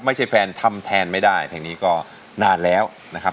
ไม่ใช่แฟนทำแทนไม่ได้ทีนี้ก็นานแล้วนะครับ